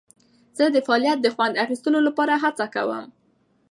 زه د فعالیت د خوند اخیستلو لپاره هڅه کوم.